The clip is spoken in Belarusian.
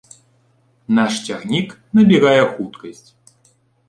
Наш цягнік набірае хуткасць.